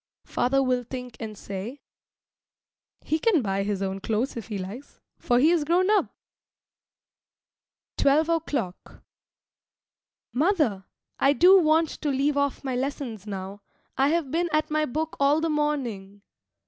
Father will think and say, "He can buy his own clothes if he likes, for he is grown up." TWELVE O'CLOCK Mother, I do want to leave off my lessons now. I have been at my book all the morning.